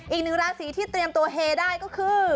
อีกหนึ่งราศีที่เตรียมตัวเฮได้ก็คือ